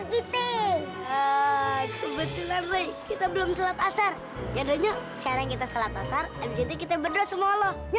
kita belum selesai kita berdoa semua